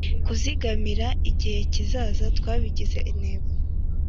Kuzigamira igihe kizaza twabigize intego